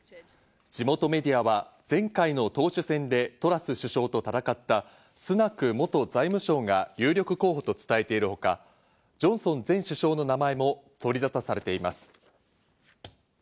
地元メディアは前回の党首選でトラス首相と戦ったスナク元財務相が有力候補と伝えているほか、ジョンソン前首相の名前も取りざたされています。